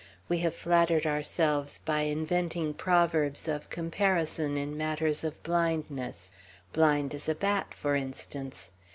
We have flattered ourselves by inventing proverbs of comparison in matter of blindness, "blind as a bat," for instance.